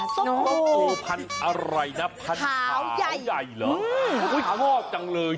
ส้มโอพันอะไรนะขาวใหญ่